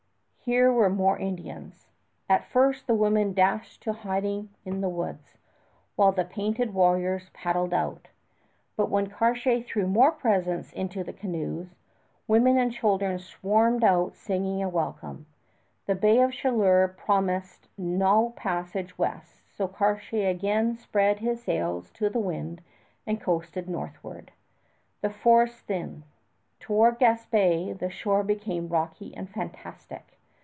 Here were more Indians. At first the women dashed to hiding in the woods, while the painted warriors paddled out; but when Cartier threw more presents into the canoes, women and children swarmed out singing a welcome. The Bay of Chaleur promised no passage west, so Cartier again spread his sails to the wind and coasted northward. The forests thinned. Towards Gaspé the shore became rocky and fantastic.